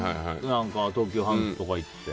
東急ハンズとか行って。